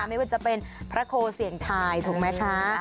ไม่ว่าจะเป็นพระโคเสี่ยงทายถูกไหมคะ